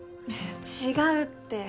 違うって。